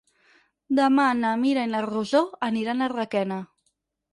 Demà na Mira i na Rosó aniran a Requena.